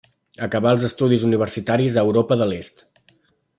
Acabà els estudis universitaris a Europa de l'Est.